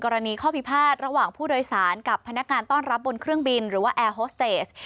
กรณีข้อพิพาทระหว่างผู้โดยสารกับพนักงานต้อนรับบนเครื่องบินหรือว่าแอร์โฮสเตส